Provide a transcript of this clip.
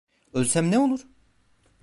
Ölsem ne olur?